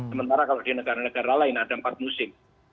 sementara kalau di negara negara lain ada empat musim